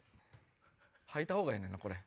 吐いたほうがええねんなこれ。